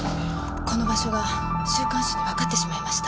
この場所が週刊誌に分かってしまいました。